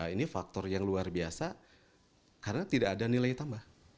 ini faktor yang luar biasa karena tidak ada nilai tambah